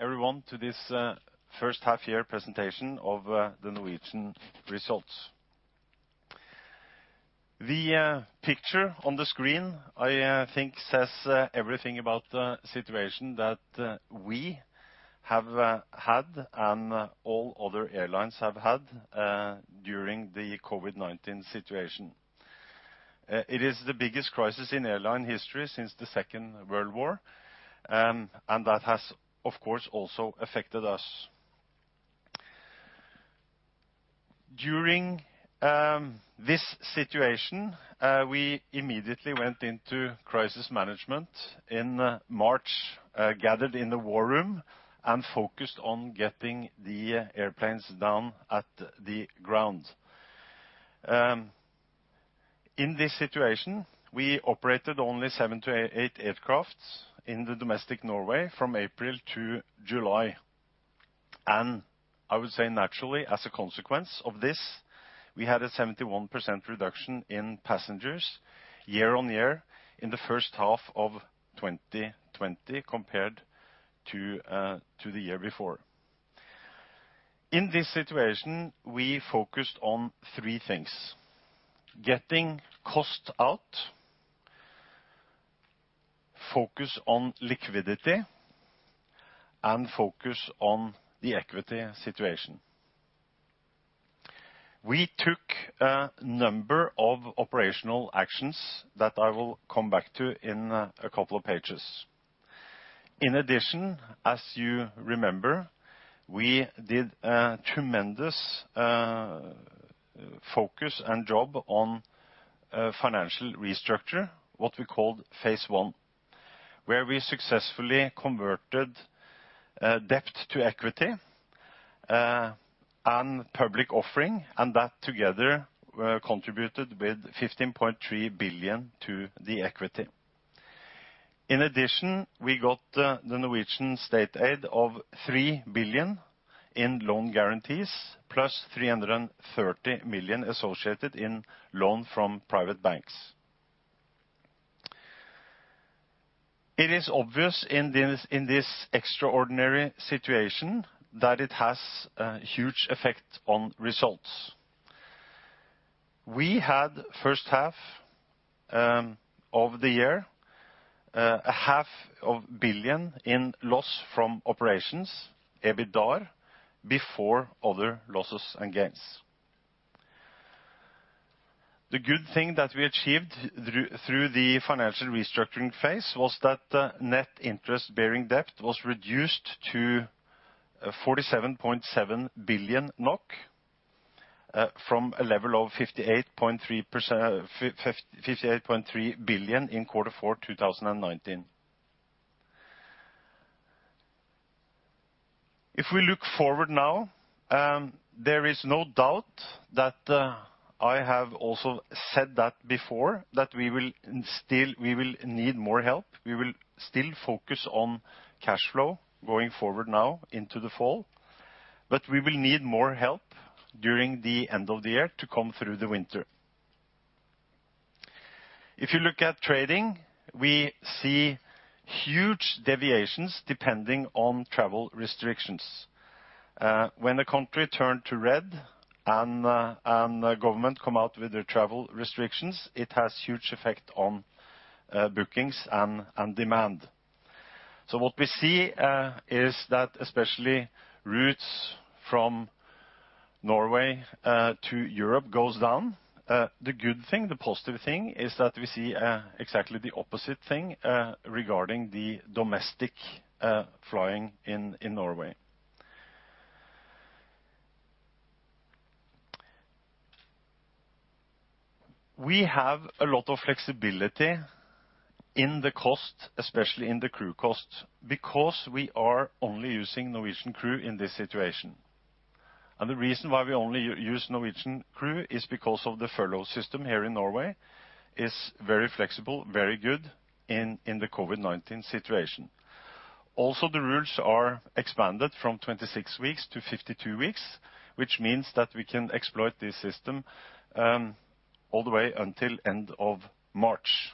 Everyone, to this first half-year presentation of the Norwegian results. The picture on the screen, I think, says everything about the situation that we have had and all other airlines have had during the COVID-19 situation. It is the biggest crisis in airline history since the Second World War, and that has, of course, also affected us. During this situation, we immediately went into crisis management in March, gathered in the war room, and focused on getting the airplanes down on the ground. In this situation, we operated only 78 aircraft in the domestic Norway from April to July, and I would say, naturally, as a consequence of this, we had a 71% reduction in passengers year on year in the first half of 2020 compared to the year before. In this situation, we focused on three things: getting cost out, focus on liquidity, and focus on the equity situation. We took a number of operational actions that I will come back to in a couple of pages. In addition, as you remember, we did a tremendous focus and job on financial restructure, what we called Phase 1, where we successfully converted debt to equity and public offering, and that together contributed with 15.3 billion to the equity. In addition, we got the Norwegian state aid of 3 billion in loan guarantees, plus 330 million associated in loan from private banks. It is obvious in this extraordinary situation that it has a huge effect on results. We had the first half of the year, 500 million in loss from operations, EBITDA, before other losses and gains. The good thing that we achieved through the financial restructuring phase was that the net interest-bearing debt was reduced to 47.7 billion NOK from a level of 58.3 billion in Q4 2019. If we look forward now, there is no doubt that I have also said that before, that we will still need more help. We will still focus on cash flow going forward now into the fall, but we will need more help during the end of the year to come through the winter. If you look at trading, we see huge deviations depending on travel restrictions. When a country turns to red and the government comes out with their travel restrictions, it has a huge effect on bookings and demand. So what we see is that especially routes from Norway to Europe go down. The good thing, the positive thing, is that we see exactly the opposite thing regarding the domestic flying in Norway. We have a lot of flexibility in the cost, especially in the crew cost, because we are only using Norwegian crew in this situation. And the reason why we only use Norwegian crew is because of the furlough system here in Norway, which is very flexible, very good in the COVID-19 situation. Also, the rules are expanded from 26 weeks to 52 weeks, which means that we can exploit this system all the way until the end of March.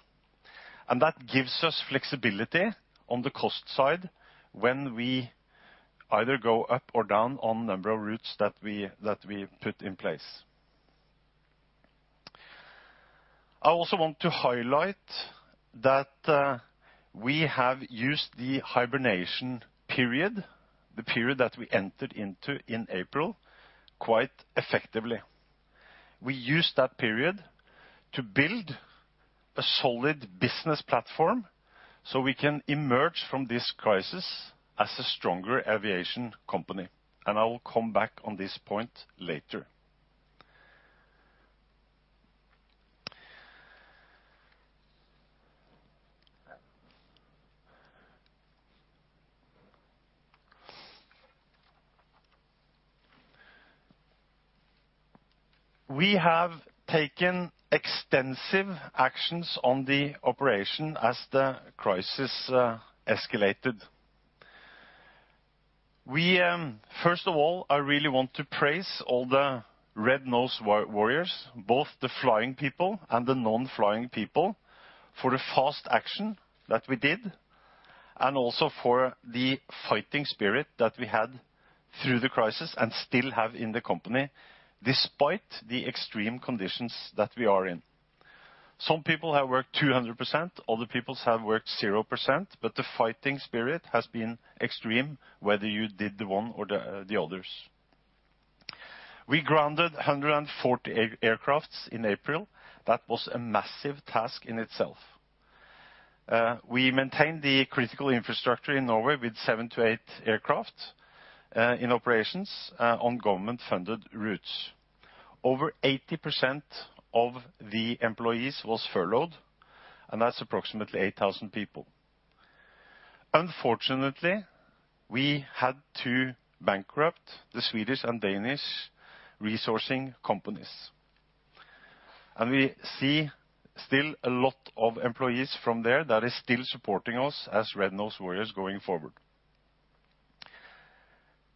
And that gives us flexibility on the cost side when we either go up or down on the number of routes that we put in place. I also want to highlight that we have used the hibernation period, the period that we entered into in April, quite effectively. We used that period to build a solid business platform so we can emerge from this crisis as a stronger aviation company, and I will come back on this point later. We have taken extensive actions on the operation as the crisis escalated. First of all, I really want to praise all the Red Nose Warriors, both the flying people and the non-flying people, for the fast action that we did, and also for the fighting spirit that we had through the crisis and still have in the company, despite the extreme conditions that we are in. Some people have worked 200%, other people have worked 0%, but the fighting spirit has been extreme, whether you did the one or the others. We grounded 140 aircraft in April. That was a massive task in itself. We maintained the critical infrastructure in Norway with 78 aircraft in operations on government-funded routes. Over 80% of the employees were furloughed, and that's approximately 8,000 people. Unfortunately, we had to bankrupt the Swedish and Danish resourcing companies, and we see still a lot of employees from there that are still supporting us as Red Nose Warriors going forward.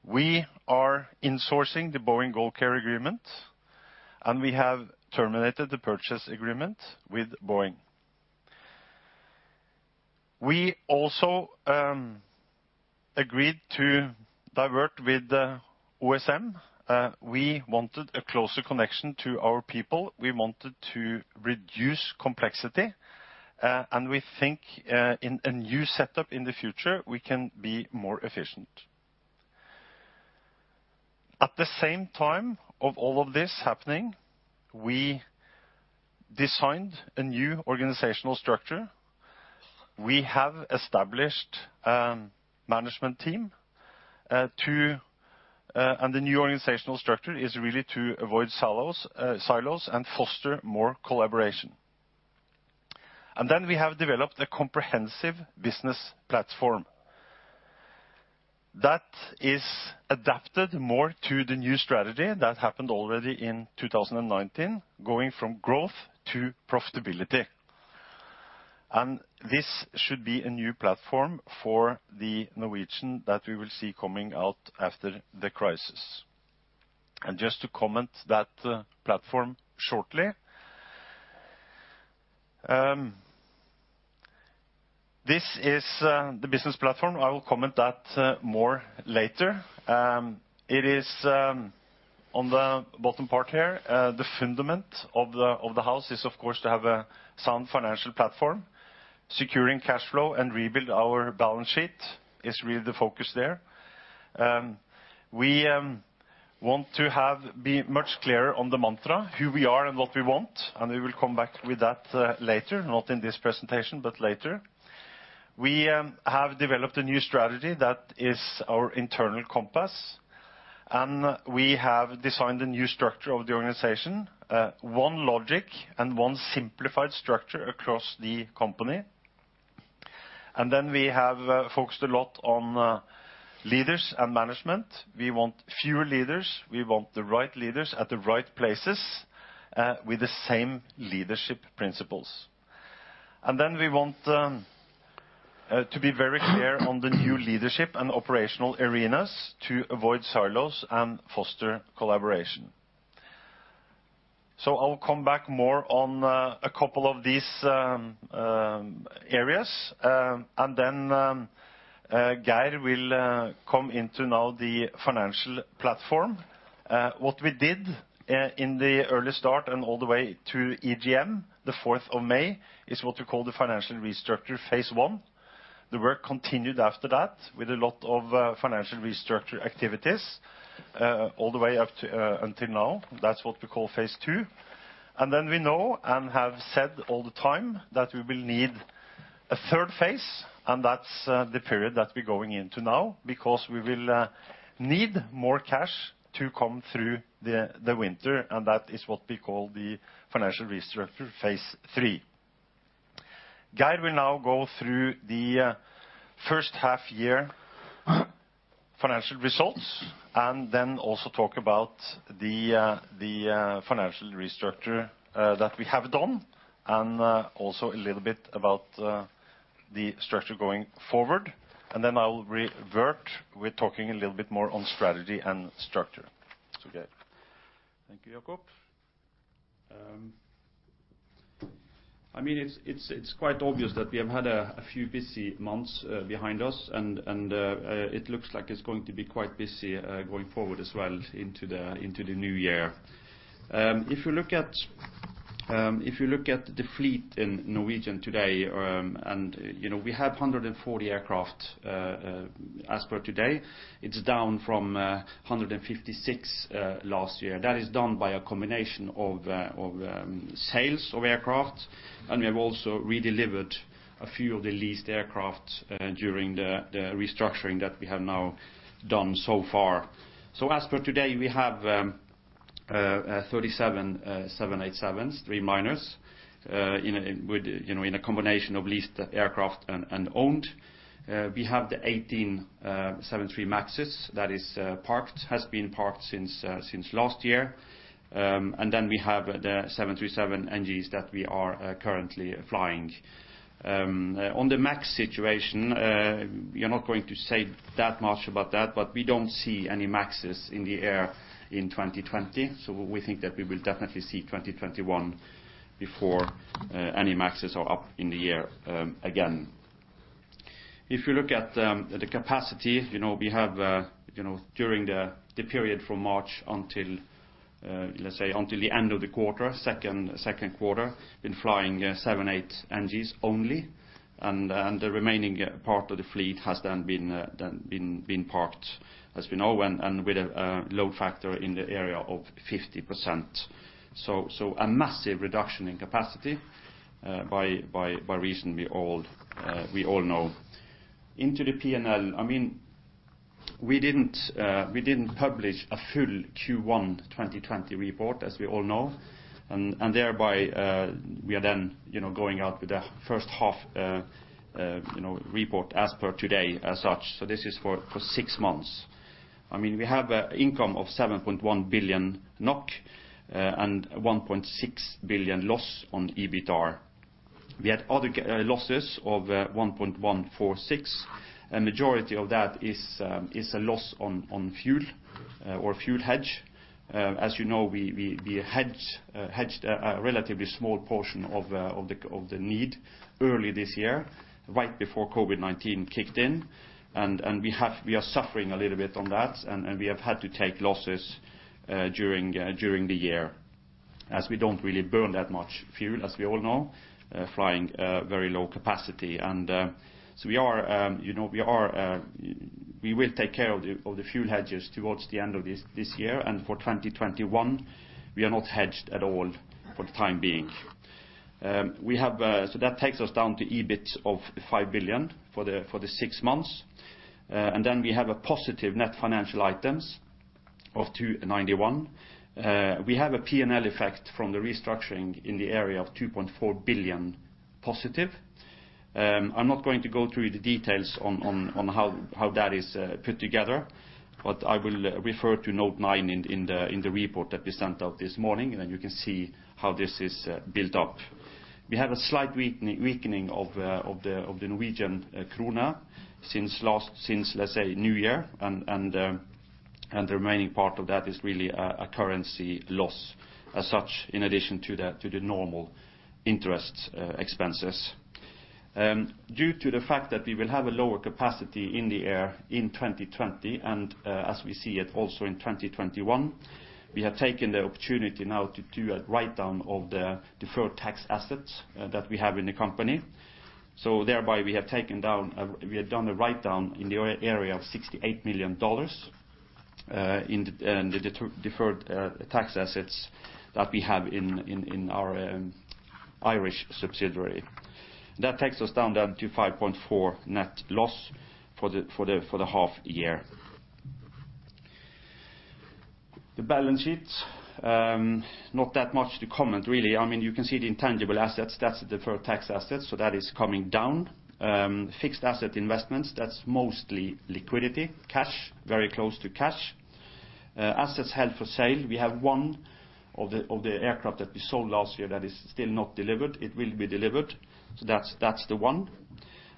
We are insourcing the Boeing GoldCare Agreement, and we have terminated the purchase agreement with Boeing. We also agreed to divest with OSM. We wanted a closer connection to our people. We wanted to reduce complexity, and we think in a new setup in the future, we can be more efficient. At the same time of all of this happening, we designed a new organizational structure. We have established a management team, and the new organizational structure is really to avoid silos and foster more collaboration. Then we have developed a comprehensive business platform that is adapted more to the new strategy that happened already in 2019, going from growth to profitability. This should be a new platform for the Norwegian that we will see coming out after the crisis. Just to comment on that platform shortly, this is the business platform. I will comment on that more later. It is on the bottom part here. The fundament of the house is, of course, to have a sound financial platform, securing cash flow, and rebuilding our balance sheet is really the focus there. We want to be much clearer on the mantra, who we are and what we want, and we will come back to that later, not in this presentation, but later. We have developed a new strategy that is our internal compass, and we have designed a new structure of the organization, one logic and one simplified structure across the company, and then we have focused a lot on leaders and management. We want fewer leaders. We want the right leaders at the right places with the same leadership principles, and then we want to be very clear on the new leadership and operational arenas to avoid silos and foster collaboration, so I will come back more on a couple of these areas, and then Geir will come into now the financial platform. What we did in the early start and all the way to EGM, the 4th of May, is what we call the financial restructure phase one. The work continued after that with a lot of financial restructure activities all the way until now. That's what we call phase two. And then we know and have said all the time that we will need a third phase, and that's the period that we're going into now because we will need more cash to come through the winter, and that is what we call the financial restructure phase three. Geir will now go through the first half-year financial results and then also talk about the financial restructure that we have done and also a little bit about the structure going forward. And then I will revert with talking a little bit more on strategy and structure. Thank you, Jacob. I mean, it's quite obvious that we have had a few busy months behind us, and it looks like it's going to be quite busy going forward as well into the new year. If you look at the fleet in Norwegian today, and we have 140 aircraft as per today. It's down from 156 last year. That is done by a combination of sales of aircraft, and we have also redelivered a few of the leased aircraft during the restructuring that we have now done so far. So as per today, we have 37 787s, three 737s, in a combination of leased aircraft and owned. We have the 18 737 MAXs that have been parked since last year. And then we have the 737 NGs that we are currently flying. On the MAX situation, you're not going to say that much about that, but we don't see any MAXs in the air in 2020. So we think that we will definitely see 2021 before any MAXs are up in the air again. If you look at the capacity, we have during the period from March until, let's say, until the end of the quarter, second quarter, been flying 78 NGs only, and the remaining part of the fleet has then been parked, as we know, and with a load factor in the area of 50%. So a massive reduction in capacity by reason we all know. Into the P&L, I mean, we didn't publish a full Q1 2020 report, as we all know, and thereby we are then going out with the first half report as per today as such. So this is for six months. I mean, we have an income of 7.1 billion NOK and 1.6 billion loss on EBITDA. We had other losses of 1.146 billion. A majority of that is a loss on fuel or fuel hedge. As you know, we hedged a relatively small portion of the need early this year, right before COVID-19 kicked in. And we are suffering a little bit on that, and we have had to take losses during the year as we don't really burn that much fuel, as we all know, flying very low capacity. And so we will take care of the fuel hedges towards the end of this year, and for 2021, we are not hedged at all for the time being. So that takes us down to EBIT of 5 billion for the six months. And then we have a positive net financial items of 291. We have a P&L effect from the restructuring in the area of 2.4 billion positive. I'm not going to go through the details on how that is put together, but I will refer to note nine in the report that we sent out this morning, and you can see how this is built up. We have a slight weakening of the Norwegian krone since, let's say, New Year, and the remaining part of that is really a currency loss as such, in addition to the normal interest expenses. Due to the fact that we will have a lower capacity in the air in 2020, and as we see it also in 2021, we have taken the opportunity now to do a write-down of the deferred tax assets that we have in the company. So thereby, we have done a write-down in the area of $68 million in the deferred tax assets that we have in our Irish subsidiary. That takes us down to 5.4 net loss for the half year. The balance sheet, not that much to comment, really. I mean, you can see the intangible assets, that's the deferred tax assets, so that is coming down. Fixed asset investments, that's mostly liquidity, cash, very close to cash. Assets held for sale, we have one of the aircraft that we sold last year that is still not delivered. It will be delivered, so that's the one.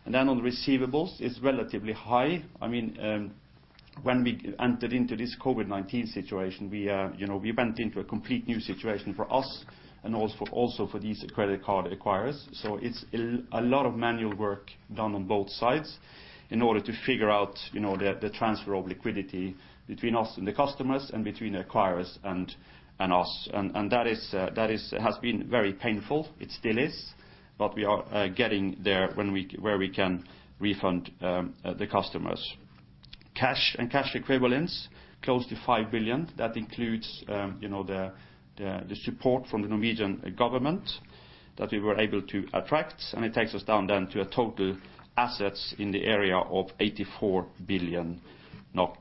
And then on the receivables, it's relatively high. I mean, when we entered into this COVID-19 situation, we went into a complete new situation for us and also for these credit card acquirers. So it's a lot of manual work done on both sides in order to figure out the transfer of liquidity between us and the customers and between the acquirers and us. And that has been very painful. It still is, but we are getting there where we can refund the customers. Cash and cash equivalents, close to 5 billion NOK. That includes the support from the Norwegian government that we were able to attract, and it takes us down then to a total assets in the area of 84 billion NOK.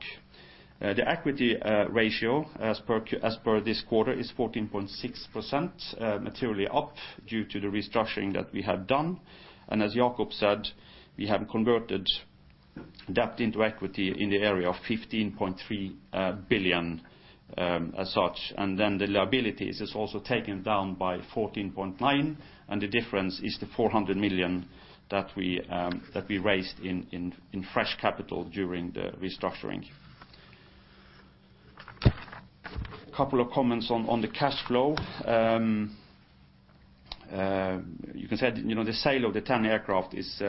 The equity ratio, as per this quarter, is 14.6%, materially up due to the restructuring that we have done, and as Jacob said, we have converted debt into equity in the area of 15.3 billion NOK as such, and then the liabilities are also taken down by 14.9 billion NOK, and the difference is the 400 million NOK that we raised in fresh capital during the restructuring. A couple of comments on the cash flow. You can say the sale of the 10 aircraft is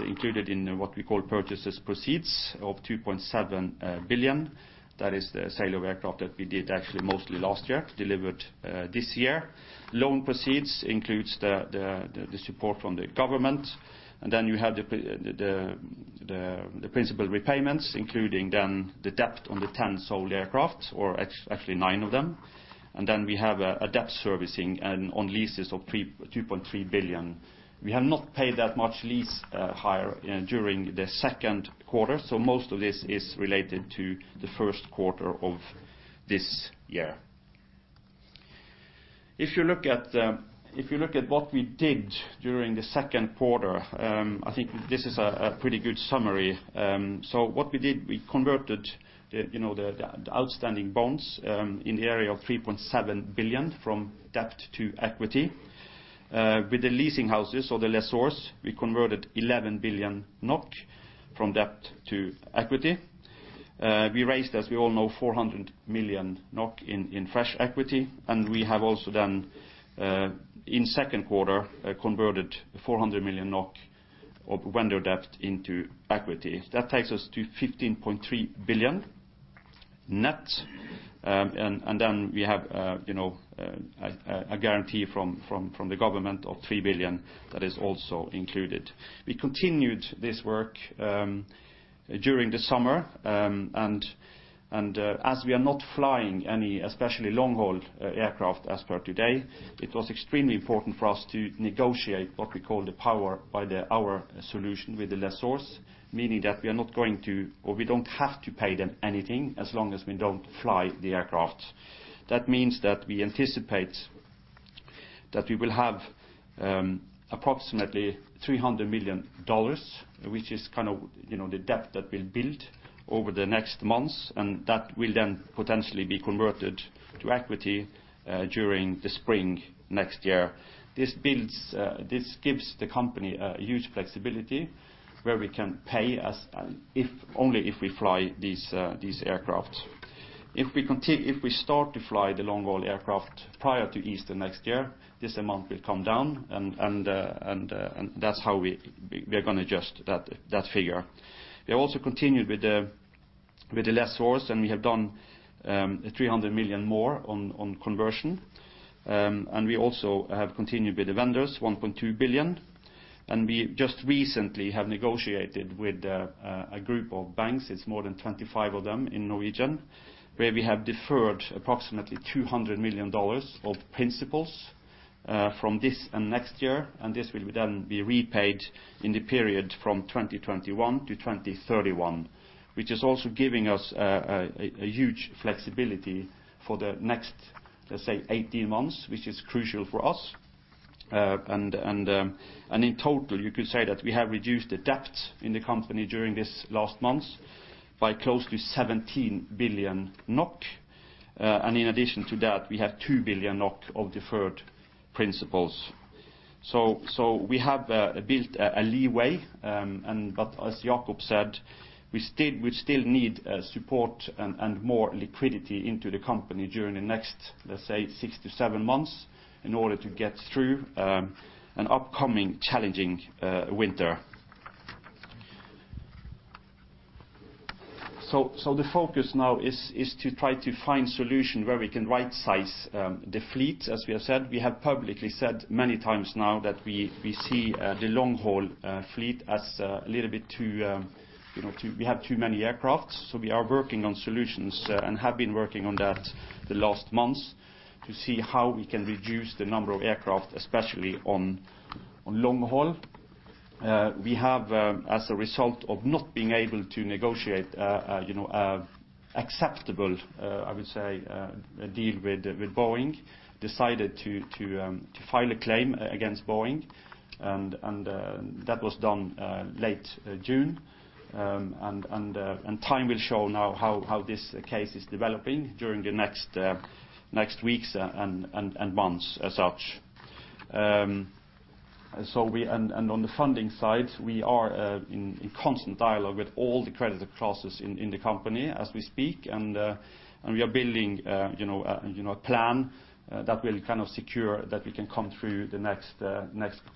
included in what we call purchases proceeds of 2.7 billion NOK. That is the sale of aircraft that we did actually mostly last year, delivered this year. Loan proceeds includes the support from the government. And then you have the principal repayments, including then the debt on the 10 sold aircraft, or actually nine of them. And then we have a debt servicing and on leases of 2.3 billion NOK. We have not paid that much lease hire during the second quarter, so most of this is related to the first quarter of this year. If you look at what we did during the second quarter, I think this is a pretty good summary. So what we did, we converted the outstanding bonds in the area of 3.7 billion NOK from debt to equity. With the leasing houses or the lessors, we converted 11 billion NOK from debt to equity. We raised, as we all know, 400 million NOK in fresh equity, and we have also then, in second quarter, converted 400 million NOK of vendor debt into equity. That takes us to 15.3 billion net. Then we have a guarantee from the government of 3 billion that is also included. We continued this work during the summer, and as we are not flying any especially long-haul aircraft as of today, it was extremely important for us to negotiate what we call the Power by the Hour solution with the lessors, meaning that we are not going to, or we don't have to pay them anything as long as we don't fly the aircraft. That means that we anticipate that we will have approximately $300 million, which is kind of the debt that will build over the next months, and that will then potentially be converted to equity during the spring next year. This gives the company huge flexibility where we can pay only if we fly these aircraft. If we start to fly the long-haul aircraft prior to Easter next year, this amount will come down, and that's how we are going to adjust that figure. We have also continued with the lessors, and we have done $300 million more on conversion. And we also have continued with the vendors, $1.2 billion. We just recently have negotiated with a group of banks. It's more than 25 of them in Norwegian, where we have deferred approximately $200 million of principal from this and next year, and this will then be repaid in the period from 2021 to 2031, which is also giving us a huge flexibility for the next, let's say, 18 months, which is crucial for us. In total, you could say that we have reduced the debt in the company during this last month by close to 17 billion NOK. In addition to that, we have 2 billion NOK of deferred principal. So we have built a leeway, but as Jacob said, we still need support and more liquidity into the company during the next, let's say, six to seven months in order to get through an upcoming challenging winter. The focus now is to try to find a solution where we can right-size the fleet, as we have said. We have publicly said many times now that we see the long-haul fleet as a little bit too. We have too many aircraft. We are working on solutions and have been working on that the last months to see how we can reduce the number of aircraft, especially on long-haul. We have, as a result of not being able to negotiate an acceptable, I would say, deal with Boeing, decided to file a claim against Boeing, and that was done late June. Time will show now how this case is developing during the next weeks and months as such. On the funding side, we are in constant dialogue with all the creditor classes in the company as we speak, and we are building a plan that will kind of secure that we can come through the next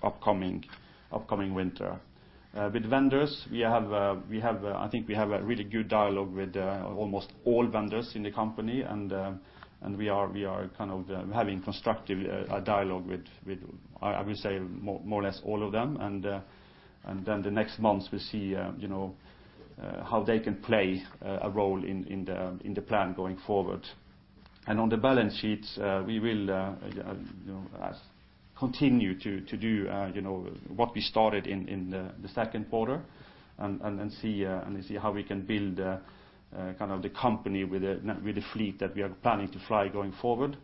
upcoming winter. With vendors, I think we have a really good dialogue with almost all vendors in the company, and we are kind of having a constructive dialogue with, I would say, more or less all of them. Then the next months, we'll see how they can play a role in the plan going forward. And on the balance sheet, we will continue to do what we started in the second quarter and see how we can build kind of the company with the fleet that we are planning to fly going forward,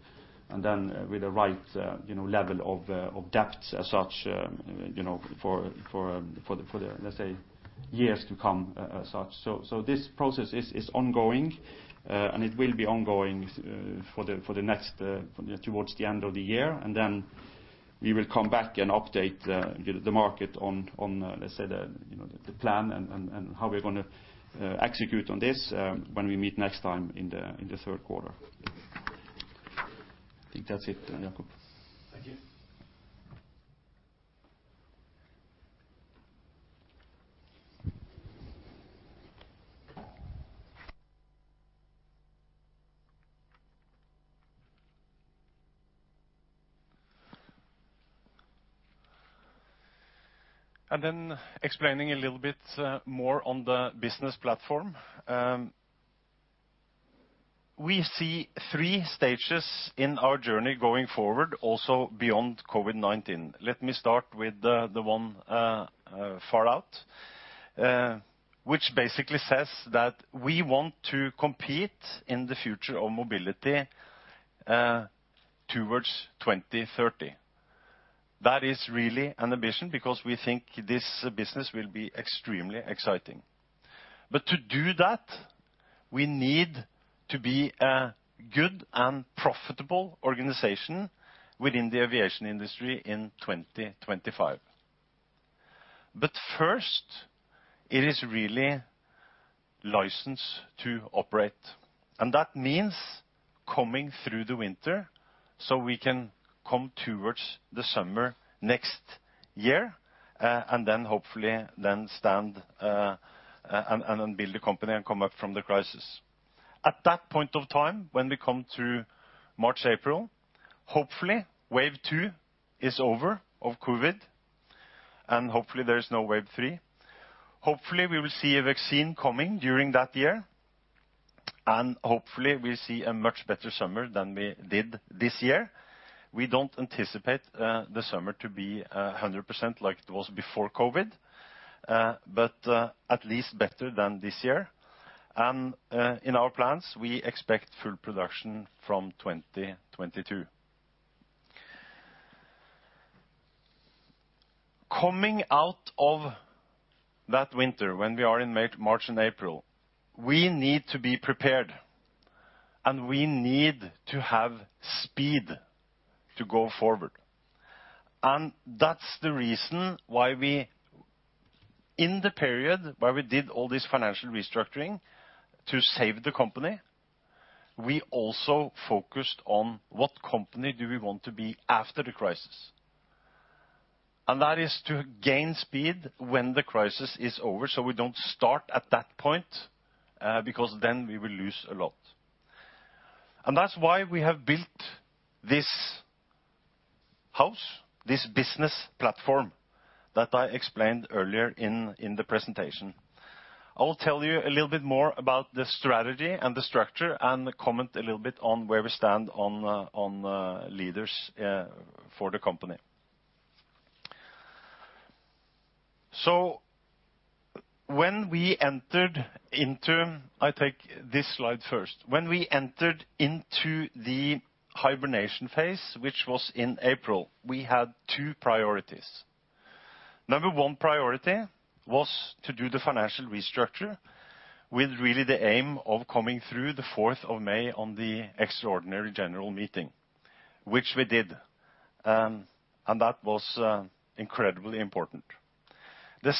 and then with the right level of debts as such for the, let's say, years to come as such. So this process is ongoing, and it will be ongoing for the next towards the end of the year. And then we will come back and update the market on, let's say, the plan and how we're going to execute on this when we meet next time in the third quarter. I think that's it, Jacob. Thank you. And then explaining a little bit more on the business platform. We see three stages in our journey going forward, also beyond COVID-19. Let me start with the one far out, which basically says that we want to compete in the future of mobility towards 2030. That is really an ambition because we think this business will be extremely exciting. But to do that, we need to be a good and profitable organization within the aviation industry in 2025. But first, it is really license to operate. And that means coming through the winter so we can come towards the summer next year and then hopefully then stand and build the company and come up from the crisis. At that point of time, when we come to March, April, hopefully wave two is over of COVID, and hopefully there is no wave three. Hopefully, we will see a vaccine coming during that year, and hopefully we see a much better summer than we did this year. We don't anticipate the summer to be 100% like it was before COVID, but at least better than this year. And in our plans, we expect full production from 2022. Coming out of that winter, when we are in March and April, we need to be prepared, and we need to have speed to go forward. And that's the reason why we, in the period where we did all this financial restructuring to save the company, we also focused on what company do we want to be after the crisis? And that is to gain speed when the crisis is over so we don't start at that point because then we will lose a lot. And that's why we have built this house, this business platform that I explained earlier in the presentation. I will tell you a little bit more about the strategy and the structure and comment a little bit on where we stand on leaders for the company. So when we entered into, I take this slide first, when we entered into the hibernation phase, which was in April, we had two priorities. Number one priority was to do the financial restructure with really the aim of coming through the 4th of May on the extraordinary general meeting, which we did, and that was incredibly important. The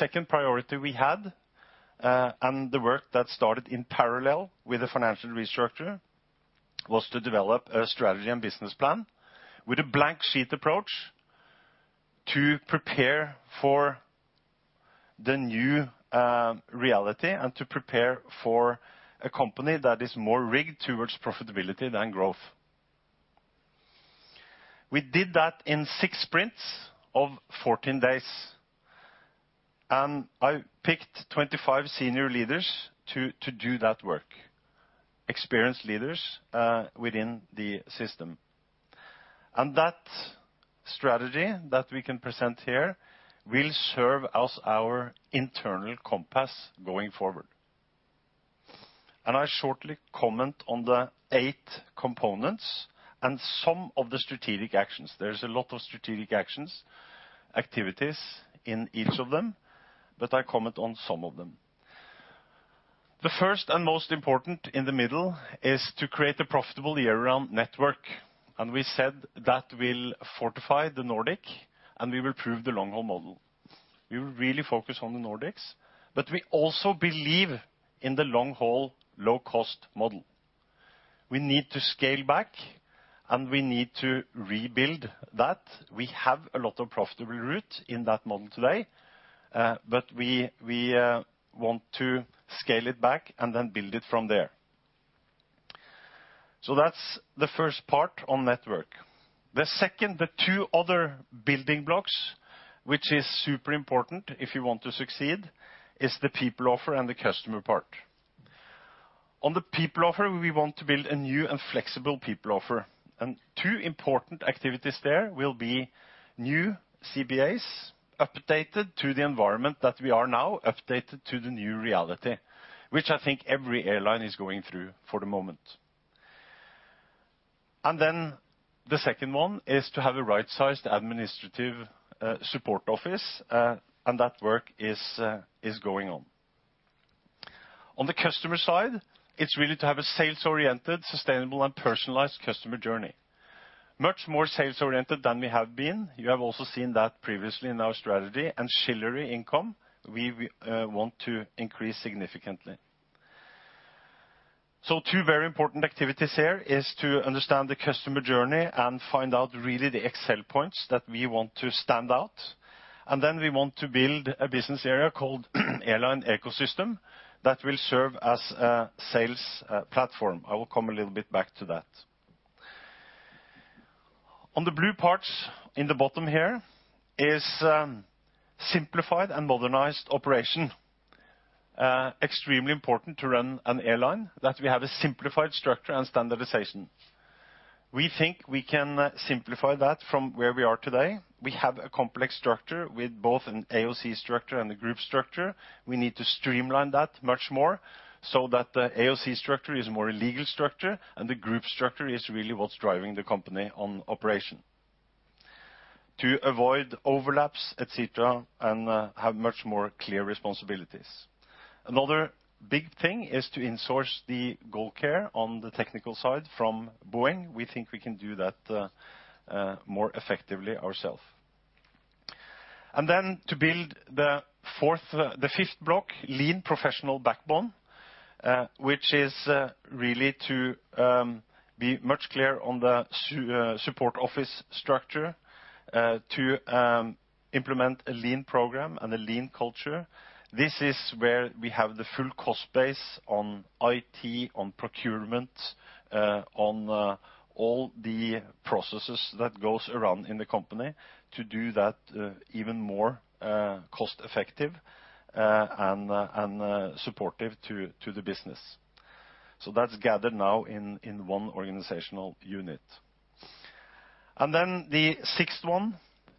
second priority we had and the work that started in parallel with the financial restructure was to develop a strategy and business plan with a blank sheet approach to prepare for the new reality and to prepare for a company that is more rigged towards profitability than growth. We did that in six sprints of 14 days, and I picked 25 senior leaders to do that work, experienced leaders within the system. That strategy that we can present here will serve as our internal compass going forward. I shortly comment on the eight components and some of the strategic actions. There is a lot of strategic actions, activities in each of them, but I comment on some of them. The first and most important in the middle is to create a profitable year-round network, and we said that will fortify the Nordics, and we will prove the long-haul model. We will really focus on the Nordics, but we also believe in the long-haul low-cost model. We need to scale back, and we need to rebuild that. We have a lot of profitable routes in that model today, but we want to scale it back and then build it from there, so that's the first part on network. The second, the two other building blocks, which is super important if you want to succeed, is the people offer and the customer part. On the people offer, we want to build a new and flexible people offer, and two important activities there will be new CBAs updated to the environment that we are now, updated to the new reality, which I think every airline is going through for the moment, and then the second one is to have a right-sized administrative support office, and that work is going on. On the customer side, it's really to have a sales-oriented, sustainable, and personalized customer journey, much more sales-oriented than we have been. You have also seen that previously in our strategy, and ancillary income we want to increase significantly. Two very important activities here are to understand the customer journey and find out really the pain points that we want to stand out. Then we want to build a business area called airline ecosystem that will serve as a sales platform. I will come a little bit back to that. The blue parts in the bottom here are simplified and modernized operations, extremely important to run an airline, that we have a simplified structure and standardization. We think we can simplify that from where we are today. We have a complex structure with both an AOC structure and a group structure. We need to streamline that much more so that the AOC structure is a more legal structure and the group structure is really what's driving the company on operation to avoid overlaps, etc., and have much more clear responsibilities. Another big thing is to insource the GoldCare on the technical side from Boeing. We think we can do that more effectively ourselves, and then to build the fifth block, lean professional backbone, which is really to be much clearer on the support office structure to implement a lean program and a lean culture. This is where we have the full cost base on IT, on procurement, on all the processes that go around in the company to do that even more cost-effective and supportive to the business, so that's gathered now in one organizational unit. And then the sixth one,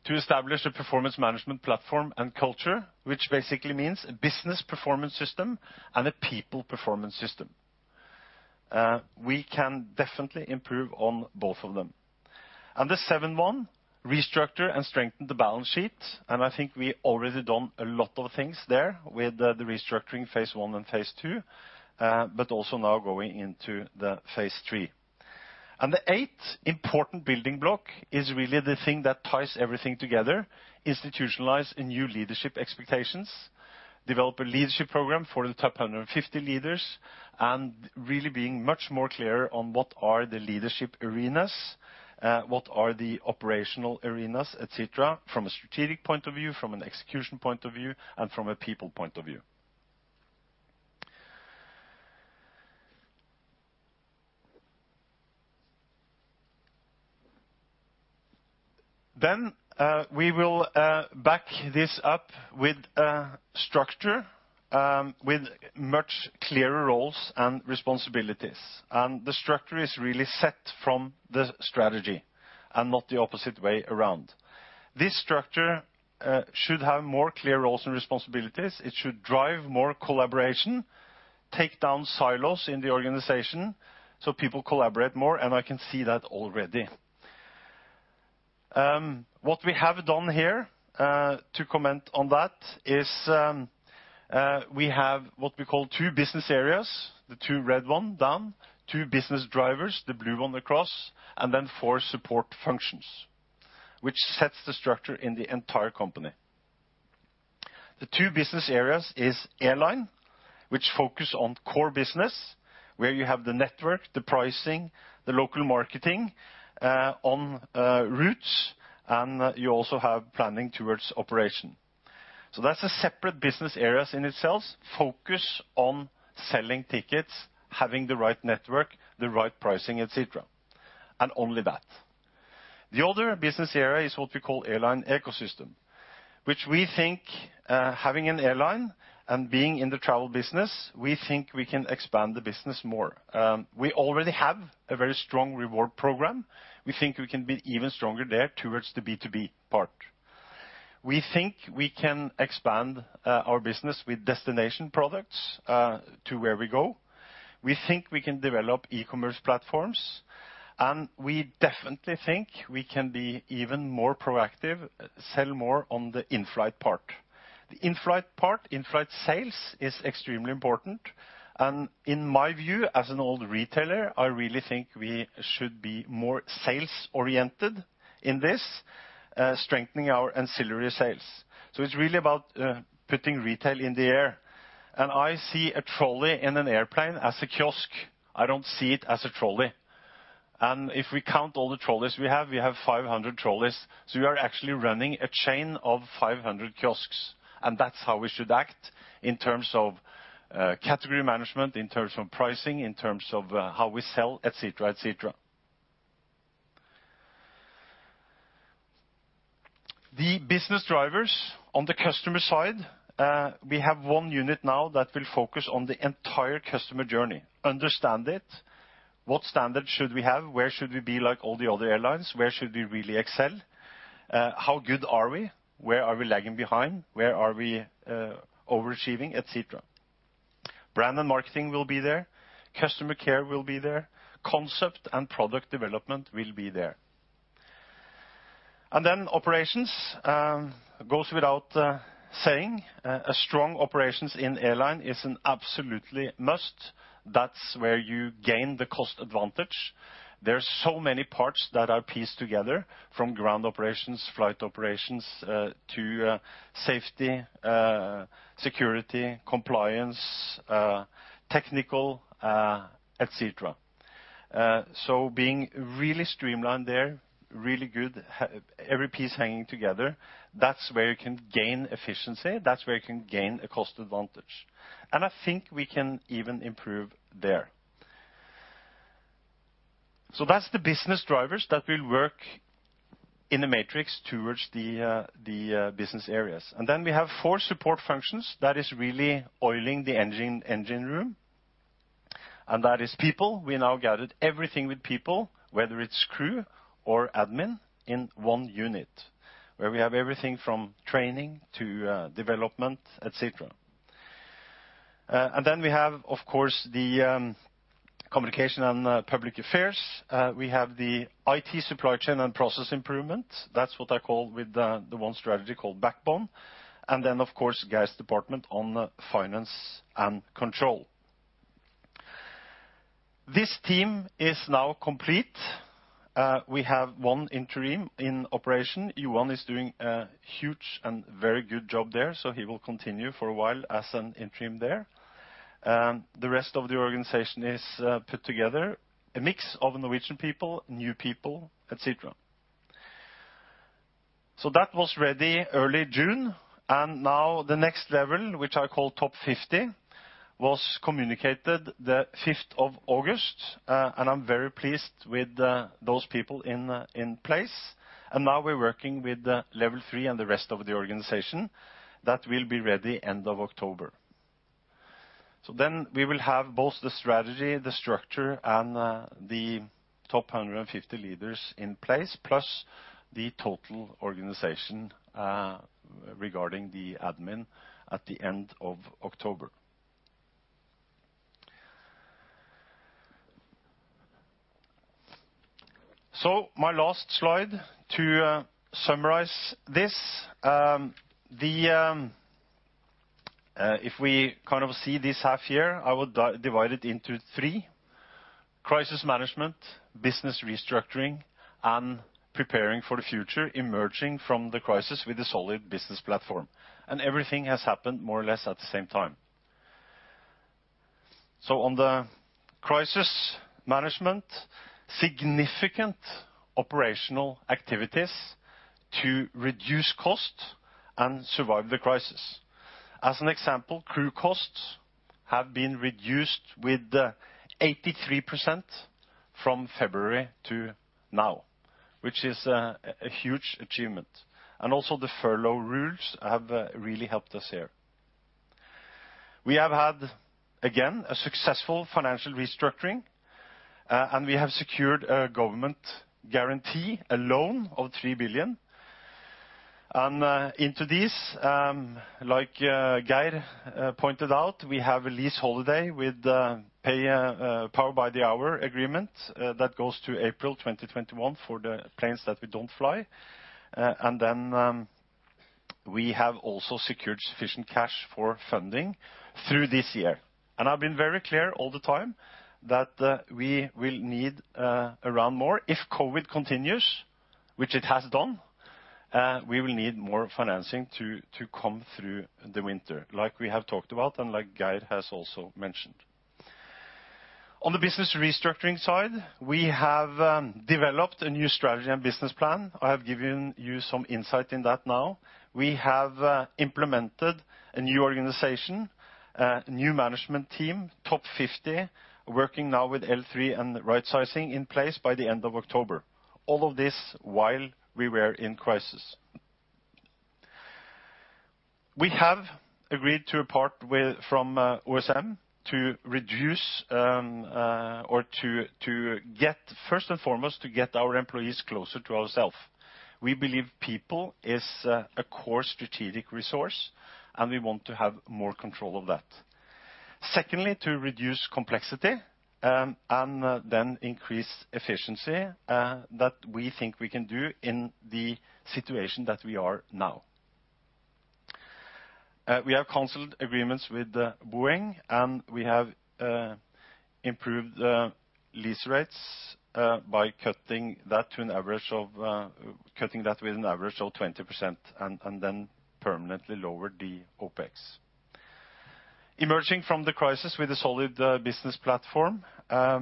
to establish a performance management platform and culture, which basically means a business performance system and a people performance system. We can definitely improve on both of them. The seventh one, restructure and strengthen the balance sheet. And I think we already done a lot of things there with the restructuring phase one and phase two, but also now going into the phase three. The eighth important building block is really the thing that ties everything together, institutionalize new leadership expectations, develop a leadership program for the top 150 leaders, and really being much more clear on what are the leadership arenas, what are the operational arenas, etc., from a strategic point of view, from an execution point of view, and from a people point of view. Then we will back this up with structure, with much clearer roles and responsibilities. The structure is really set from the strategy and not the opposite way around. This structure should have more clear roles and responsibilities. It should drive more collaboration, take down silos in the organization so people collaborate more, and I can see that already. What we have done here to comment on that is we have what we call two business areas, the two red ones down, two business drivers, the blue one across, and then four support functions, which sets the structure in the entire company. The two business areas are airline, which focus on core business, where you have the network, the pricing, the local marketing on routes, and you also have planning towards operation. That's a separate business area in itself, focus on selling tickets, having the right network, the right pricing, etc., and only that. The other business area is what we call airline ecosystem, which we think, having an airline and being in the travel business, we think we can expand the business more. We already have a very strong reward program. We think we can be even stronger there towards the B2B part. We think we can expand our business with destination products to where we go. We think we can develop e-commerce platforms, and we definitely think we can be even more proactive, sell more on the in-flight part. The in-flight part, in-flight sales is extremely important, and in my view, as an old retailer, I really think we should be more sales-oriented in this, strengthening our ancillary sales, so it's really about putting retail in the air, and I see a trolley in an airplane as a kiosk. I don't see it as a trolley. If we count all the trolleys we have, we have 500 trolleys. We are actually running a chain of 500 kiosks. That's how we should act in terms of category management, in terms of pricing, in terms of how we sell, etc., etc. The business drivers on the customer side, we have one unit now that will focus on the entire customer journey, understand it, what standard should we have, where should we be like all the other airlines, where should we really excel, how good are we, where are we lagging behind, where are we overachieving, etc. Brand and marketing will be there. Customer care will be there. Concept and product development will be there. Then operations goes without saying. A strong operations in airline is an absolutely must. That's where you gain the cost advantage. There are so many parts that are pieced together from ground operations, flight operations, to safety, security, compliance, technical, etc. So, being really streamlined there, really good, every piece hanging together, that's where you can gain efficiency. That's where you can gain a cost advantage, and I think we can even improve there, so that's the business drivers that will work in a matrix towards the business areas, and then we have four support functions that are really oiling the engine room, and that is people. We have now gathered everything with people, whether it's crew or admin in one unit, where we have everything from training to development, etc. And then we have, of course, the communication and public affairs. We have the IT supply chain and process improvement. That's what I call with the one strategy called backbone. And then, of course, the finance and control department. This team is now complete. We have one interim in operation. Yuan is doing a huge and very good job there, so he will continue for a while as an interim there. The rest of the organization is put together, a mix of Norwegian people, new people, etc. So that was ready early June. And now the next level, which I call top 50, was communicated the 5th of August. And I'm very pleased with those people in place. And now we're working with level three and the rest of the organization that will be ready end of October. So then we will have both the strategy, the structure, and the top 150 leaders in place, plus the total organization regarding the admin at the end of October. So my last slide to summarize this. If we kind of see this half here, I would divide it into three: crisis management, business restructuring, and preparing for the future, emerging from the crisis with a solid business platform. Everything has happened more or less at the same time. On the crisis management, significant operational activities to reduce cost and survive the crisis. As an example, crew costs have been reduced with 83% from February to now, which is a huge achievement. Also the furlough rules have really helped us here. We have had, again, a successful financial restructuring, and we have secured a government guarantee, a loan of 3 billion NOK. Into these, like Geir pointed out, we have a lease holiday with Power by the Hour agreement that goes to April 2021 for the planes that we don't fly. Then we have also secured sufficient cash for funding through this year. I've been very clear all the time that we will need a round more. If COVID continues, which it has done, we will need more financing to come through the winter, like we have talked about and like Geir has also mentioned. On the business restructuring side, we have developed a new strategy and business plan. I have given you some insight in that now. We have implemented a new organization, a new management team, top 50, working now with L3 and right-sizing in place by the end of October. All of this while we were in crisis. We have agreed to a part from OSM to reduce or to get, first and foremost, to get our employees closer to ourselves. We believe people are a core strategic resource, and we want to have more control of that. Secondly, to reduce complexity and then increase efficiency that we think we can do in the situation that we are now. We have canceled agreements with Boeing, and we have improved lease rates by cutting that to an average of cutting that with an average of 20% and then permanently lowered the OPEX. Emerging from the crisis with a solid business platform. I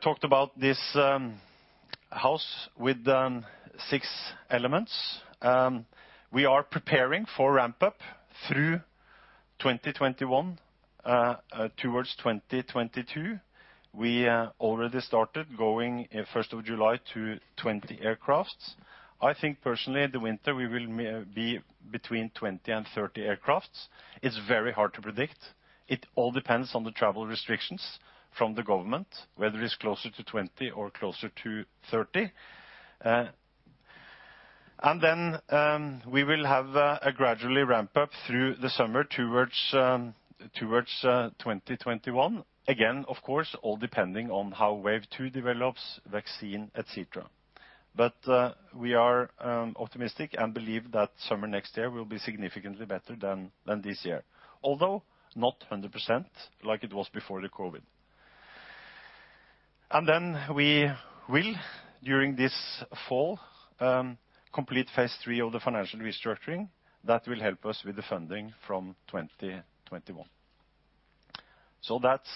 talked about this house with six elements. We are preparing for ramp-up through 2021 towards 2022. We already started going 1st of July to 20 aircrafts. I think personally in the winter we will be between 20 and 30 aircrafts. It's very hard to predict. It all depends on the travel restrictions from the government, whether it's closer to 20 or closer to 30. We will have a gradual ramp-up through the summer towards 2021. Again, of course, all depending on how wave two develops, vaccine, etc. But we are optimistic and believe that summer next year will be significantly better than this year, although not 100% like it was before the COVID. We will, during this fall, complete phase three of the financial restructuring that will help us with the funding from 2021. That's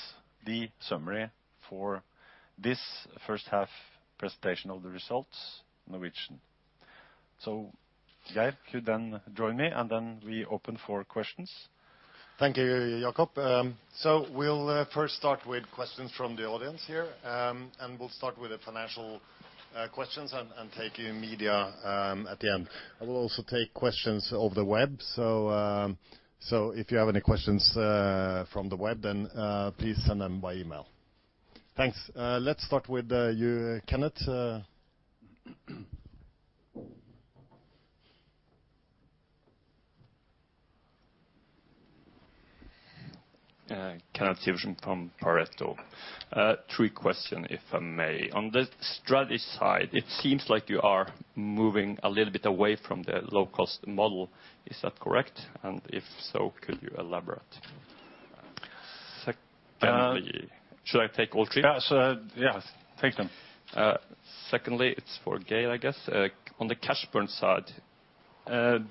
the summary for this first half presentation of the results in Norwegian. Geir could then join me, and then we open for questions. Thank you, Jacob. We'll first start with questions from the audience here, and we'll start with the financial questions and take the media at the end. I will also take questions from the web. If you have any questions from the web, then please send them by email. Thanks. Let's start with you, Kenneth. Kenneth Sivertsen from Pareto. Three questions, if I may. On the strategy side, it seems like you are moving a little bit away from the low-cost model. Is that correct? And if so, could you elaborate? Secondly, should I take all three? Yeah, take them. Secondly, it's for Geir, I guess. On the cash burn side,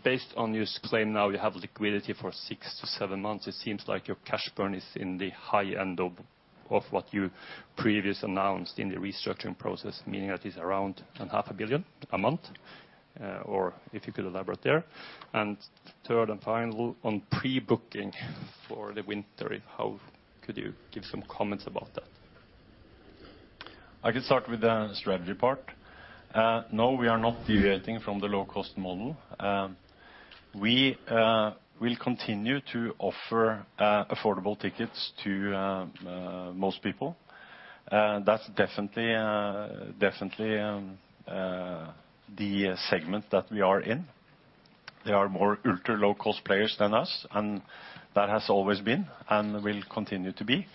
based on your claim now, you have liquidity for six to seven months. It seems like your cash burn is in the high end of what you previously announced in the restructuring process, meaning that it's around 500 million a month, or if you could elaborate there. And third and final, on pre-booking for the winter, how could you give some comments about that? I could start with the strategy part. No, we are not deviating from the low-cost model. We will continue to offer affordable tickets to most people. That's definitely the segment that we are in. There are more ultra low-cost players than us, and that has always been and will continue to be.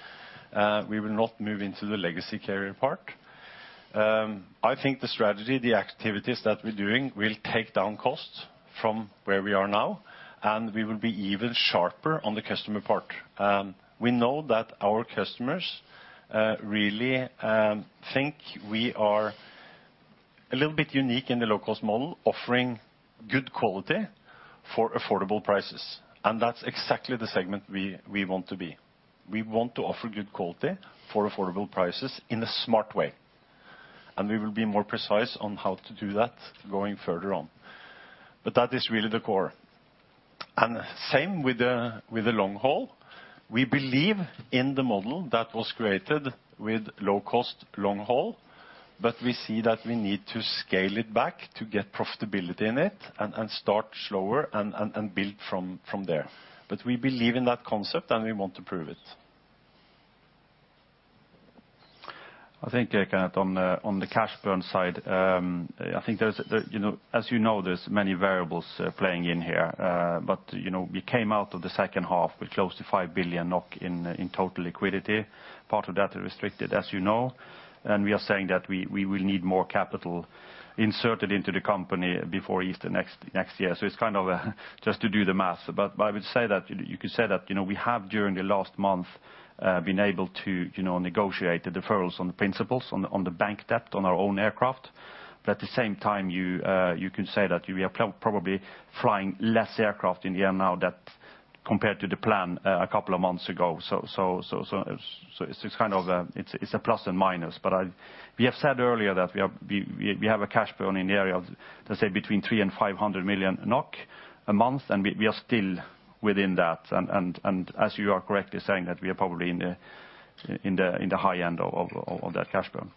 We will not move into the legacy carrier part. I think the strategy, the activities that we're doing will take down costs from where we are now, and we will be even sharper on the customer part. We know that our customers really think we are a little bit unique in the low-cost model, offering good quality for affordable prices, and that's exactly the segment we want to be. We want to offer good quality for affordable prices in a smart way, and we will be more precise on how to do that going further on, but that is really the core, and same with the long haul. We believe in the model that was created with low-cost long haul, but we see that we need to scale it back to get profitability in it and start slower and build from there. But we believe in that concept, and we want to prove it. I think, Kenneth, on the cash burn side, I think there's, as you know, there's many variables playing in here. But we came out of the second half with close to 5 billion NOK in total liquidity. Part of that is restricted, as you know. And we are saying that we will need more capital inserted into the company before Easter next year. So it's kind of just to do the math. But I would say that you could say that we have, during the last month, been able to negotiate the deferrals on the prepayments, on the bank debt, on our own aircraft. But at the same time, you could say that we are probably flying less aircraft in the air now compared to the plan a couple of months ago. So it's kind of a, it's a plus and minus. We have said earlier that we have a cash burn in the area, let's say, between 3 million and 500 million NOK a month, and we are still within that. As you are correctly saying, we are probably in the high end of that cash burn.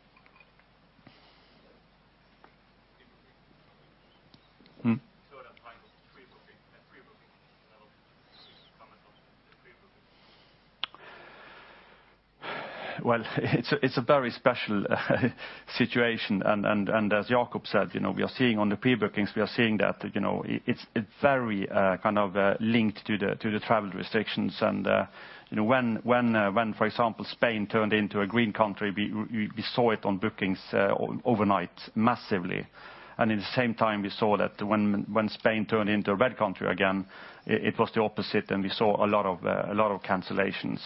It's a very special situation. As Jacob said, we are seeing on the pre-bookings, we are seeing that it's very kind of linked to the travel restrictions. When, for example, Spain turned into a green country, we saw it on bookings overnight massively. At the same time, we saw that when Spain turned into a red country again, it was the opposite, and we saw a lot of cancellations.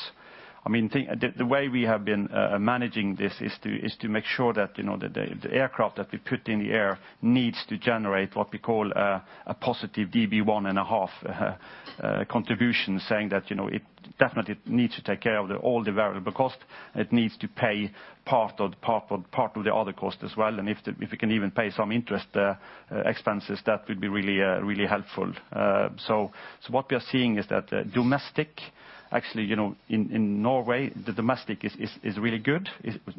I mean, the way we have been managing this is to make sure that the aircraft that we put in the air needs to generate what we call a positive DB one and a half contribution, saying that it definitely needs to take care of all the variable costs. It needs to pay part of the other cost as well. If we can even pay some interest expenses, that would be really helpful. What we are seeing is that domestic, actually, in Norway, the domestic is really good.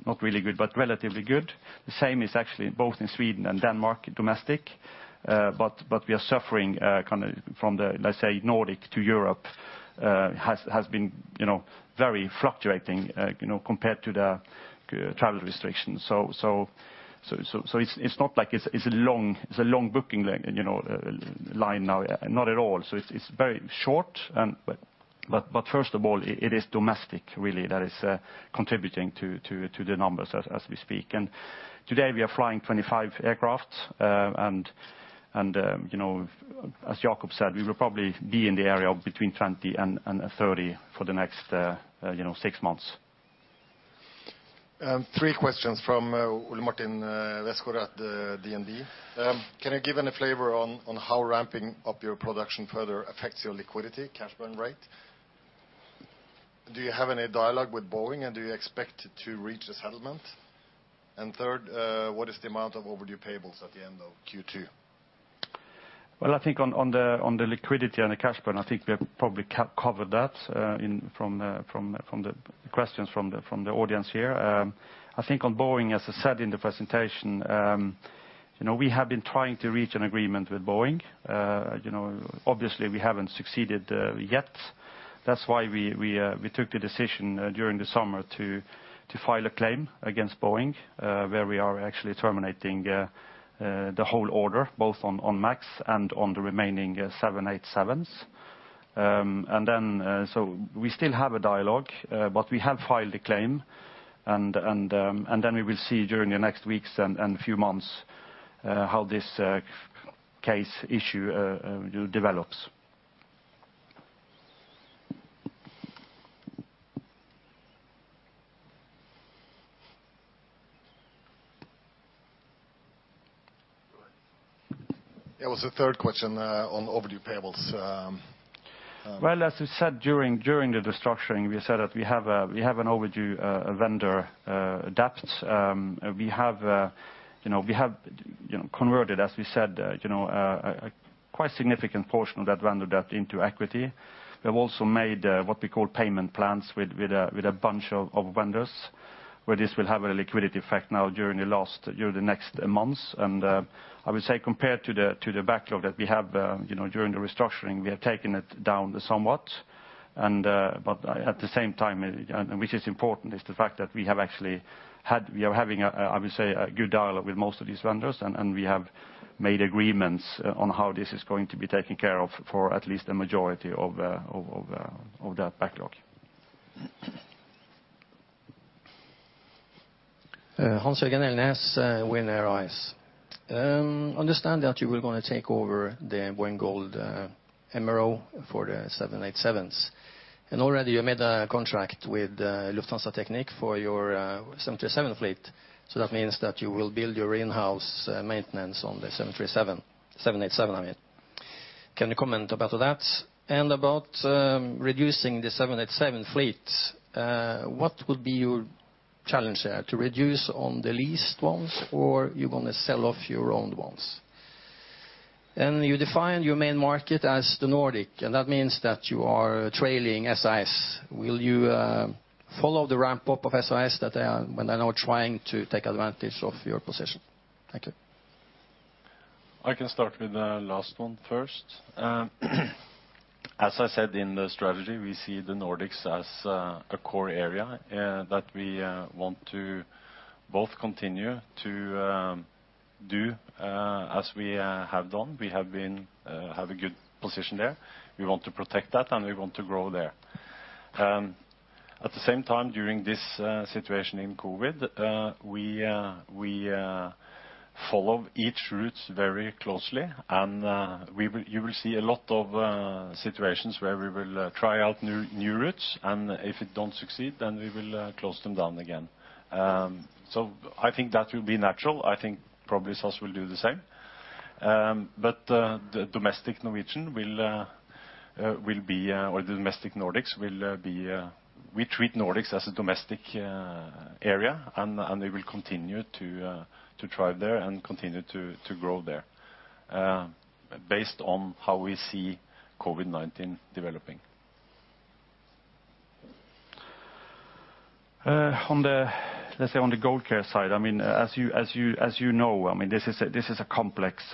Not really good, but relatively good. The same is actually both in Sweden and Denmark domestic. But we are suffering kind of from the, let's say, Nordics to Europe has been very fluctuating compared to the travel restrictions. So it's not like it's a long booking line now, not at all. So it's very short. But first of all, it is domestic, really, that is contributing to the numbers as we speak. And today we are flying 25 aircraft. And as Jacob said, we will probably be in the area of between 20 and 30 for the next six months. Three questions from Ole Martin Westgaard at DNB Markets. Can you give any flavor on how ramping up your production further affects your liquidity, cash burn rate? Do you have any dialogue with Boeing, and do you expect to reach a settlement? And third, what is the amount of overdue payables at the end of Q2? I think on the liquidity and the cash burn, I think we have probably covered that from the questions from the audience here. I think on Boeing, as I said in the presentation, we have been trying to reach an agreement with Boeing. Obviously, we haven't succeeded yet. That's why we took the decision during the summer to file a claim against Boeing, where we are actually terminating the whole order, both on MAX and on the remaining 787s. We still have a dialogue, but we have filed a claim. We will see during the next weeks and few months how this case issue develops. There was a third question on overdue payables. As we said during the restructuring, we said that we have an overdue vendor debt. We have converted, as we said, a quite significant portion of that vendor debt into equity. We have also made what we call payment plans with a bunch of vendors, where this will have a liquidity effect now during the next months. And I would say compared to the backlog that we have during the restructuring, we have taken it down somewhat. But at the same time, which is important, is the fact that we have actually had, we are having, I would say, a good dialogue with most of these vendors, and we have made agreements on how this is going to be taken care of for at least a majority of that backlog. Hans Jørgen Elnæs, WinAir AS. I understand that you were going to take over the Boeing Gold MRO for the 787s. And already you made a contract with Lufthansa Technik for your 737 fleet. So that means that you will build your in-house maintenance on the 737, 787, I mean. Can you comment about that? And about reducing the 787 fleet, what would be your challenge there? To reduce on the leased ones, or you're going to sell off your own ones? And you defined your main market as the Nordics, and that means that you are trailing SAS. Will you follow the ramp-up of SAS when they're now trying to take advantage of your position? Thank you. I can start with the last one first. As I said in the strategy, we see the Nordics as a core area that we want to both continue to do as we have done. We have a good position there. We want to protect that, and we want to grow there. At the same time, during this situation in COVID, we follow each route very closely, and you will see a lot of situations where we will try out new routes, and if it doesn't succeed, then we will close them down again, so I think that will be natural. I think probably SAS will do the same, but the domestic Norwegian will be, or the domestic Nordics will be, we treat Nordics as a domestic area, and we will continue to try there and continue to grow there based on how we see COVID-19 developing. Let's say on the GoldCare side, I mean, as you know, I mean, this is a complex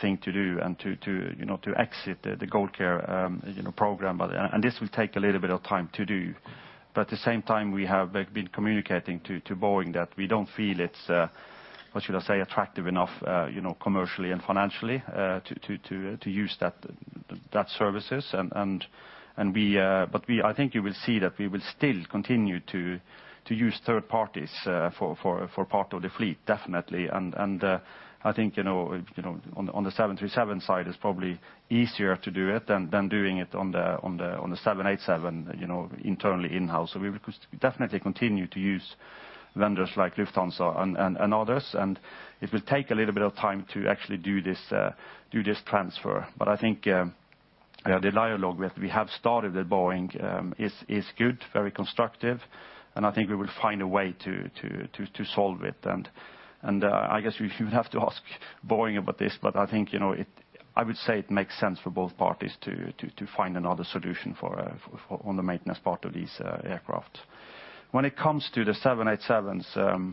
thing to do and to exit the GoldCare program, and this will take a little bit of time to do. But at the same time, we have been communicating to Boeing that we don't feel it's, what should I say, attractive enough commercially and financially to use those services. But I think you will see that we will still continue to use third parties for part of the fleet, definitely. And I think on the 737 side is probably easier to do it than doing it on the 787 internally in-house. So we will definitely continue to use vendors like Lufthansa and others. And it will take a little bit of time to actually do this transfer. But I think the dialogue that we have started with Boeing is good, very constructive. And I think we will find a way to solve it. I guess you have to ask Boeing about this, but I think I would say it makes sense for both parties to find another solution on the maintenance part of these aircraft. When it comes to the 787s,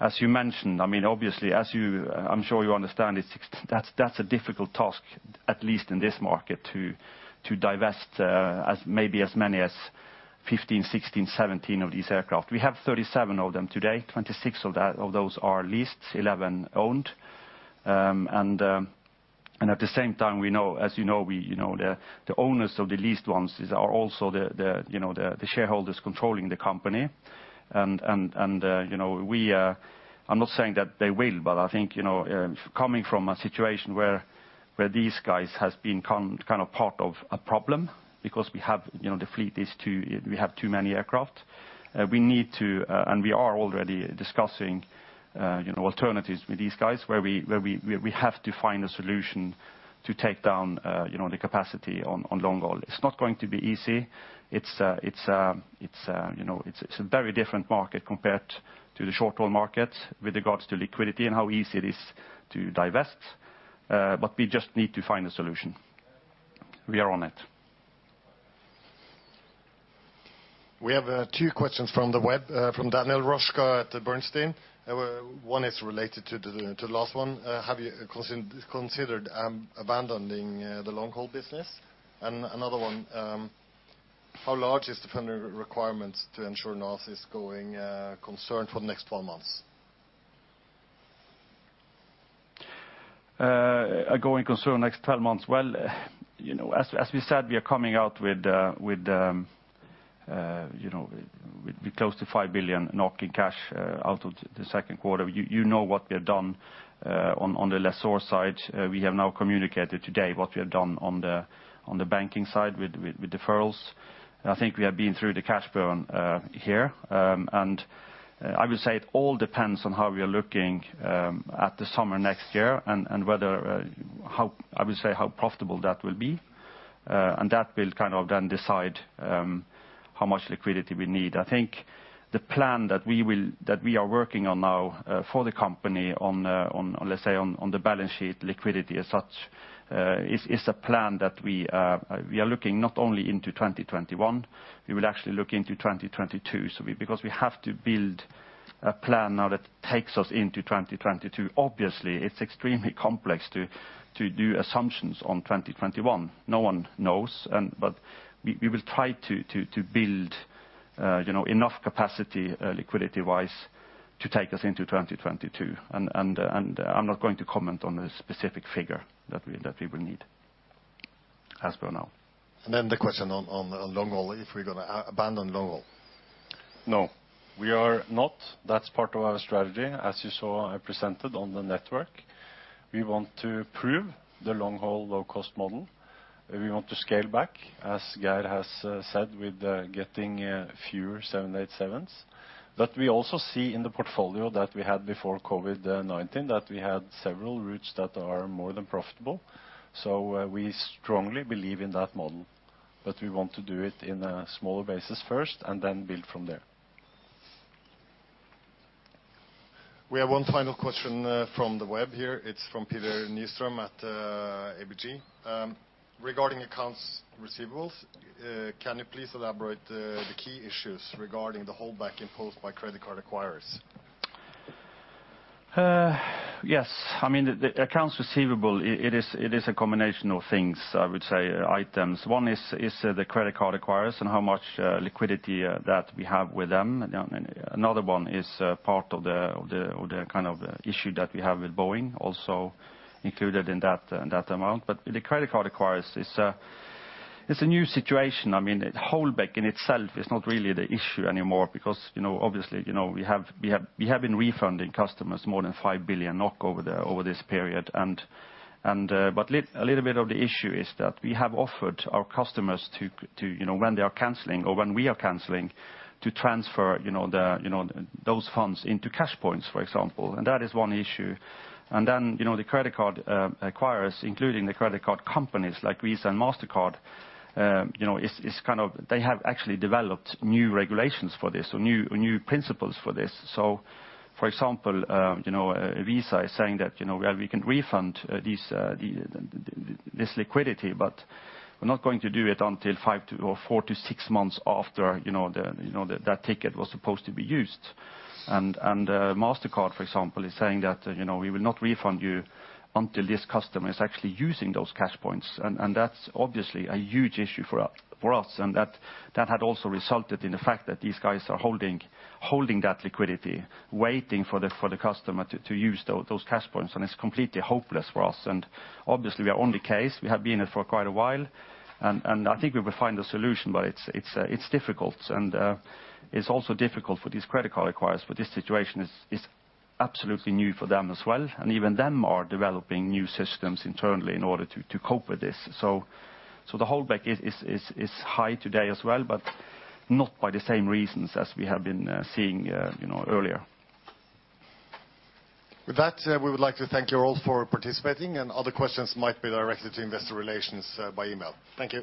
as you mentioned, I mean, obviously, as you, I'm sure you understand, that's a difficult task, at least in this market, to divest maybe as many as 15, 16, 17 of these aircraft. We have 37 of them today. 26 of those are leased, 11 owned. And at the same time, as you know, the owners of the leased ones are also the shareholders controlling the company. And I'm not saying that they will, but I think coming from a situation where these guys have been kind of part of a problem because we have too many aircraft. We need to, and we are already discussing alternatives with these guys where we have to find a solution to take down the capacity on long haul. It's not going to be easy. It's a very different market compared to the short haul market with regards to liquidity and how easy it is to divest. But we just need to find a solution. We are on it. We have two questions from the web from Daniel Roeska at Bernstein. One is related to the last one. Have you considered abandoning the long haul business? And another one, how large is the funding requirements to ensure SAS is going concern for the next 12 months? Going concern next 12 months. Well, as we said, we are coming out with close to 5 billion NOK cash out of the second quarter. You know what we have done on the lessor side. We have now communicated today what we have done on the banking side with deferrals. I think we have been through the cash burn here, and I would say it all depends on how we are looking at the summer next year and whether, I would say, how profitable that will be, and that will kind of then decide how much liquidity we need. I think the plan that we are working on now for the company on, let's say, on the balance sheet liquidity as such is a plan that we are looking not only into 2021. We will actually look into 2022, so because we have to build a plan now that takes us into 2022, obviously, it's extremely complex to do assumptions on 2021. No one knows, but we will try to build enough capacity liquidity-wise to take us into 2022. I'm not going to comment on the specific figure that we will need as per now. Then the question on long haul, if we're going to abandon long haul. No, we are not. That's part of our strategy. As you saw, I presented on the network. We want to prove the long haul low-cost model. We want to scale back, as Geir has said, with getting fewer 787s. But we also see in the portfolio that we had before COVID-19 that we had several routes that are more than profitable. So we strongly believe in that model. But we want to do it in a smaller basis first and then build from there. We have one final question from the web here. It's from Petter at ABG. Regarding accounts receivables, can you please elaborate the key issues regarding the holdback imposed by credit card acquirers? Yes. I mean, the accounts receivable, it is a combination of things, I would say, items. One is the credit card acquirers and how much liquidity that we have with them. Another one is part of the kind of issue that we have with Boeing, also included in that amount. But the credit card acquirers, it's a new situation. I mean, holdback in itself is not really the issue anymore because, obviously, we have been refunding customers more than 5 billion NOK over this period. But a little bit of the issue is that we have offered our customers to, when they are canceling or when we are canceling, to transfer those funds into CashPoints, for example. And that is one issue. And then the credit card acquirers, including the credit card companies like Visa and Mastercard, is kind of they have actually developed new regulations for this or new principles for this. So, for example, Visa is saying that we can refund this liquidity, but we're not going to do it until four-to-six months after that ticket was supposed to be used. And Mastercard, for example, is saying that we will not refund you until this customer is actually using those CashPoints. And that's obviously a huge issue for us. And that had also resulted in the fact that these guys are holding that liquidity, waiting for the customer to use those CashPoints. And it's completely hopeless for us. And obviously, we are on the case. We have been in it for quite a while. And I think we will find a solution, but it's difficult. It's also difficult for these credit card acquirers, for this situation is absolutely new for them as well. Even they are developing new systems internally in order to cope with this. The holdback is high today as well, but not by the same reasons as we have been seeing earlier. With that, we would like to thank you all for participating. Other questions might be directed to investor relations by email. Thank you.